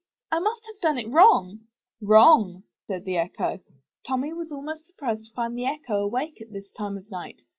I must have done it wrong/' 'Wrong!" said the Echo. Tommy was almost surprised to find the echo awake at this time of night.